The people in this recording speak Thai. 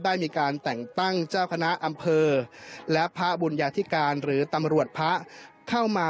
ได้มีการแต่งตั้งเจ้าคณะอำเภอและพระบุญญาธิการหรือตำรวจพระเข้ามา